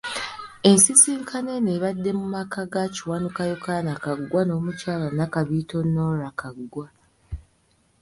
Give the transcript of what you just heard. Ensisinkano eno ebadde mu maka ga Kiwanuka Yokana Kaggwa n'omukyala Nakabiito Norah Kaggwa.